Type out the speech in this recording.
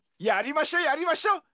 やりましょやりましょ。